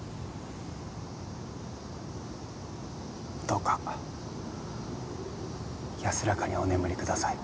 どうか安らかにお眠りください。